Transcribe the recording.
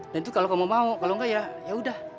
dan itu kalau mau mau kalau enggak yaudah